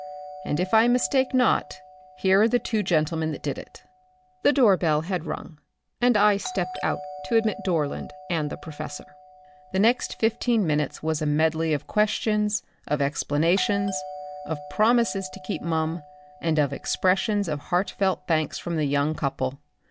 "And if I mistake not here are the two gentlemen that did it." The doorbell had rung and I stepped out to admit Dorland and the professor. The next 15 minutes was a medley of questions, of explanations, of promises to keep mum and of expressions of heartfelt thanks from the young couple.